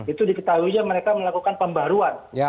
itu diketahuinya mereka melakukan pembaruan